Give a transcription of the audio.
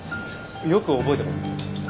よく覚えてますね。